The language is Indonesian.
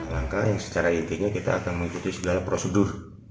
langkah yang secara intinya kita akan mengikuti segala prosedur